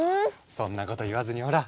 そんなこと言わずにほら。